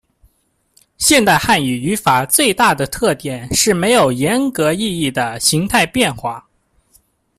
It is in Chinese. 现代汉语语法最大的特点是没有严格意义的形态变化。